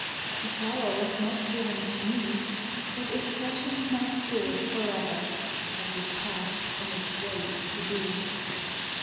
The flower was not given to me, But it freshened my spirit forever, As it passed, on its way to tiiee!